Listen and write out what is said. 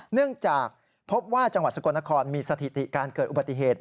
เนื่องจากพบว่าจังหวัดสกลนครมีสถิติการเกิดอุบัติเหตุ